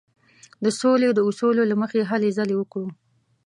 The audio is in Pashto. د سولې د اصولو له مخې هلې ځلې وکړو.